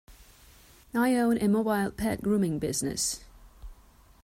I own a mobile pet grooming business.